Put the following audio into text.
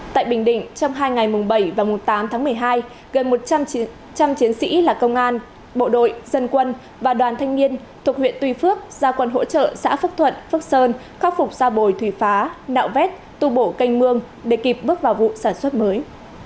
tại bình định trong hai ngày mùng bảy và tám tháng một mươi hai gần một trăm linh chiến sĩ là công an bộ đội dân quân và đoàn thanh niên thuộc huyện tuy phước gia quân hỗ trợ xã phước thuận phước sơn khắc phục ra bồi thủy phá nạo vét tu bổ canh mương để kịp bước vào vụ sản xuất mới